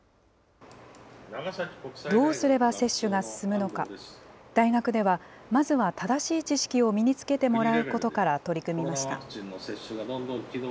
どうすれば接種が進むのか、大学では、まずは正しい知識を身につけてもらうことから取り組みました。